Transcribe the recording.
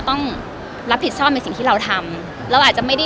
วันนี้ก็เพื่อความแฟบ์